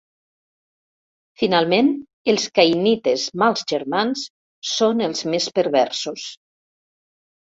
Finalment, els caïnites mals germans són els més perversos.